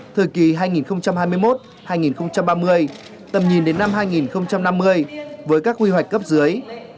thời kỳ hai nghìn hai mươi một hai nghìn ba mươi tầm nhìn đến năm hai nghìn năm mươi với các quy hoạch cấp dưới